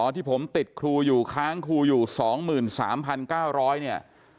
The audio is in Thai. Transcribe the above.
อ๋อที่ผมติดครูอยู่ค้างครูอยู่สองหมื่นสามพันเก้าร้อยเนี่ย